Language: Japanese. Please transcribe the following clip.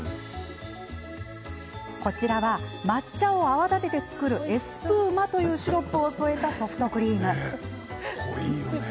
こちらは、抹茶を泡立てて作るエスプーマというシロップを添えたソフトクリーム。